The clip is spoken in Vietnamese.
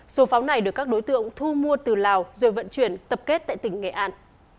số pháo này được các đối tượng thu mua từ lào rồi vận chuyển tập kết tại tỉnh nghệ an